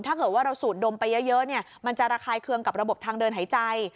ถ้าเกิดว่าเราสูดดมไปเยอะมันจะระคายเคืองกับระบบทางเดินหายใจ